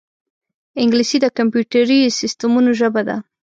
انګلیسي د کمپیوټري سیستمونو ژبه ده